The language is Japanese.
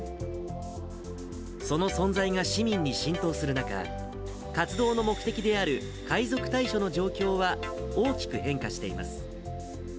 その存在が市民に浸透する中、活動の目的である海賊対処の状況は大きく変化しています。